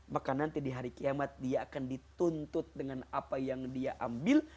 maka nanti di hari kiamat dia akan dituntut dengan apa yang dia ambil